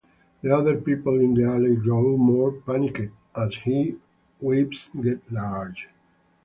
The other people in the alley grow more panicked as the waves get larger.